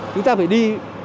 chúng ta phải đi